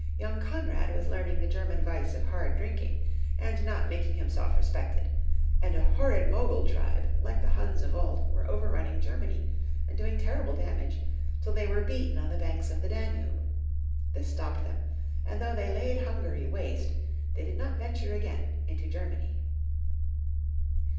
Young Konrad was learning the German vice of hard drinking, and not making himself re spected ; and a horrid Mogul tribe, like the Huns of old, were overrunning Germany, and doing ter rible damage, till they were beaten on the banks of the Danube. This stopped them, and though they laid Hungary waste, they did not venture again into Germany.